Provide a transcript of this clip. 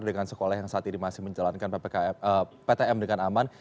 dengan sekolah yang saat ini masih menjalankan ptm dengan aman